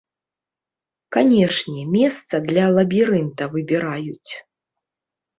Канешне, месца для лабірынта выбіраюць.